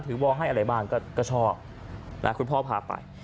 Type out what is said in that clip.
วอลให้อะไรบ้างก็ชอบคุณพ่อพาไป